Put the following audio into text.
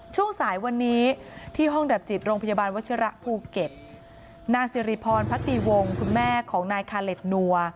ช่วงสายวันนี้ที่ห้องดับจิตโรงพยาบาลวัชิระภูเก็ตนางสิริพรพตีวงคุณแม่ของนายคาเล็ดนัว